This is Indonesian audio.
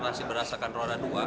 operasi berdasarkan ruangan dua